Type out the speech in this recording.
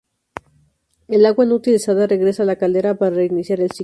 El agua no utilizada regresa a la caldera para reiniciar el ciclo.